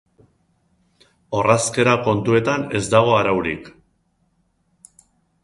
Orrazkera kontuetan ez dago araurik.